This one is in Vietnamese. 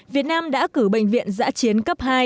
việt nam đã cử bệnh viện giã chiến cấp hai